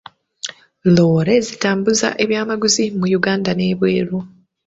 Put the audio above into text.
Loore zitambuza ebyamaguzi mu Uganda n'ebweru.